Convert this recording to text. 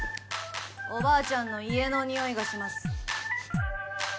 おばあちゃんの家のニオイがします